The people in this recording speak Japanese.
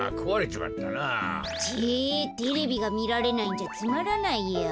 ちぇっテレビがみられないんじゃつまらないや。